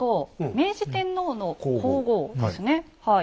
明治天皇の皇后ですねはい。